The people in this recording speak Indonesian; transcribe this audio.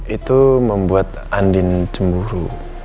itu membuat andin cemburu